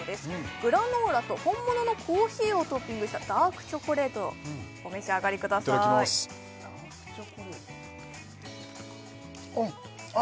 グラノーラと本物のコーヒーをトッピングしたダークチョコレートお召し上がりくださいいただきますあっ